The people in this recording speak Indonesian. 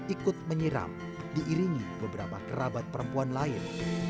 ikut menyiram diiringi beberapa kerabat perempuan lain